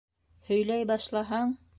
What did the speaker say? — Һөйләй башлаһаң.